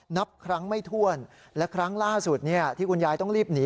นับครั้งไม่ถ้วนและครั้งล่าสุดที่คุณยายต้องรีบหนี